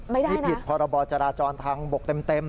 ไม่ได้นะมีผิดพรจทางบกเต็ม